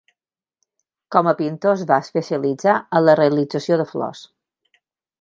Com a pintor es va especialitzar en la realització de flors.